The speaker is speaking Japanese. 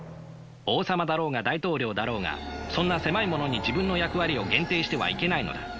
王様だろうが大統領だろうがそんな狭いものに自分の役割を限定してはいけないのだ。